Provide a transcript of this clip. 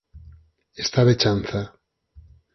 Está de chanza.